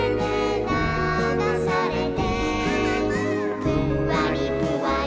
「ぷんわりぷわり」